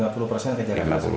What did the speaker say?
lima puluh persen ke jakarta